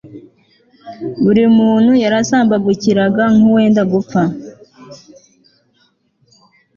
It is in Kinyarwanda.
buri muntu yarasambagurikaga nk'uwenda gupfa